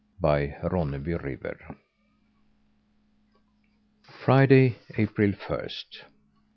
BY RONNEBY RIVER Friday, April first.